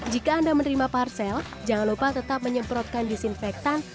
jika anda menerima parsel jangan lupa tetap menyemprotkan disinfektan